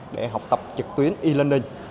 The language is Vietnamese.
một cái trang để học tập trực tuyến e learning